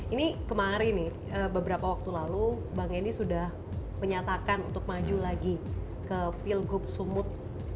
ini kemarin nih beberapa waktu lalu bang edi sudah menyatakan untuk maju lagi ke pilgub sumut dua ribu dua puluh empat